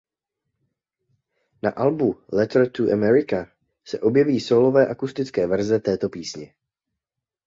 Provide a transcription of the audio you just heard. Na albu „Letter to America“ se objeví sólová akustická verze této písně.